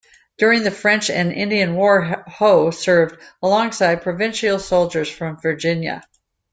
During the French and Indian War, Howe served alongside provincial soldiers from Virginia.